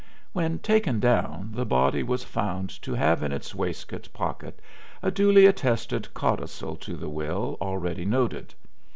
When taken down the body was found to have in its waistcoat pocket a duly attested codicil to the will already noted.